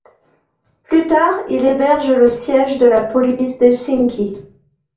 Plus tard il héberge le siège de la police d’Helsinki.